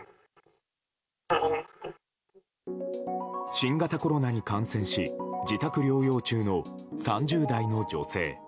新型コロナに感染し自宅療養中の３０代の女性。